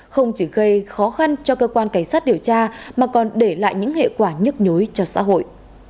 không chỉ gây khó khăn cho cơ quan cảnh sát điều tra mà còn để lại những hệ quả nhức nhối cho xã hội